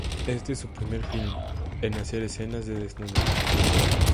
Éste es su primer film en hacer escenas de desnudos.